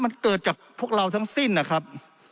มันเกิดจากพวกเราทั้งสิ้นนะครับ